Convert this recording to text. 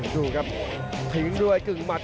ดูครับทิ้งด้วยกึ่งหมัด